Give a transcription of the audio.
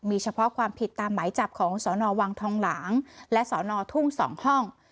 มีเฉพาะความผิดตามหมายจับของสนวังทองหลางและสนทุ่ง๒ห้อง